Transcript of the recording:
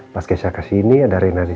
pas keisha kesini ada rena disini